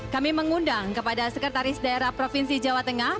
kami mengundang kepada sekretaris daerah provinsi jawa tengah